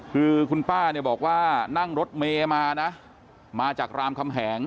คือคุณป้าเนี่ยบอกว่านั่งรถเมย์มานะมาจากรามคำแหง